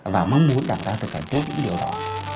và mong muốn đảng ta thực hành trước những điều đó